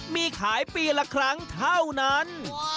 มีขายปีละครั้งเท่านั้น